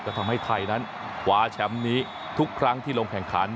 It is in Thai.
ทำให้ไทยนั้นคว้าแชมป์นี้ทุกครั้งที่ลงแข่งขัน